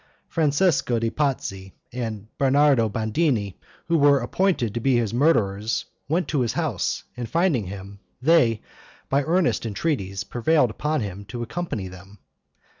Francesco de' Pazzi and Bernardo Bandini, who were appointed to be his murderers, went to his house, and finding him, they, by earnest entreaties, prevailed upon him to accompany them.